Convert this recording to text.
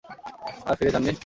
আর ফিরে যাননি?